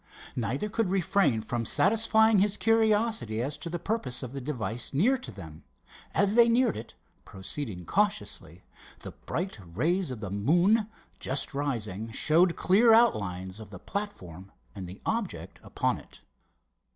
Neither could refrain from satisfying his curiosity as to the purpose of the device near to them. As they neared it, proceeding cautiously, the bright rays of the moon, just rising, showed clear outlines of the platform and the object upon it.